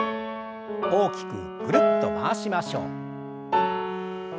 大きくぐるっと回しましょう。